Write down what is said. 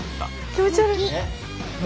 気持ち悪い！